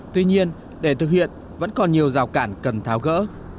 tuy nhiên để thực hiện vẫn còn nhiều rào cản cần tháo gỡ